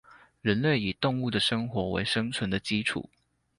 人類以動物的生活為生存的基礎